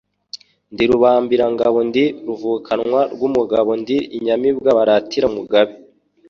Ndi rubambiranangabo, ndi ruvukanwa rw'umugabo. Ndi inyamibwa baratira umugabe,